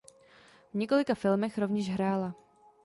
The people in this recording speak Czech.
V několika filmech rovněž hrála.